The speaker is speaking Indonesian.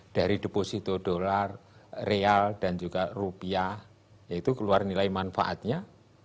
dari deposito dolar real dan juga rupiah yaitu keluar nilai manfaatnya